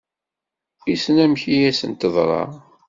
Wissen amek i asen-teḍra?